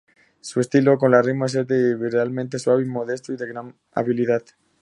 Su estilo con las rimas es deliberadamente suave y modesto, y de gran habilidad.